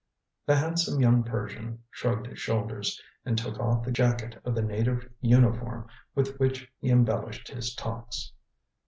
The handsome young Persian shrugged his shoulders, and took off the jacket of the native uniform with which he embellished his talks.